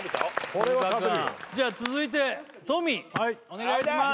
これは食べるよじゃあ続いてトミーお願いします